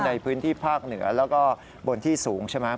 ในพื้นที่ภาคเหนือแล้วก็บนที่สูงใช่ไหม